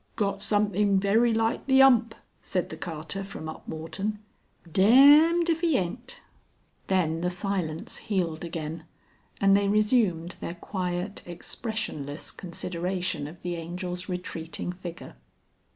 "Got something very like the 'ump," said the carter from Upmorton. "Dää ä ämned if 'E ent." Then the silence healed again, and they resumed their quiet expressionless consideration of the Angel's retreating figure.